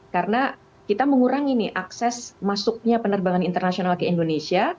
karena kita mengurangi akses masuknya penerbangan internasional ke indonesia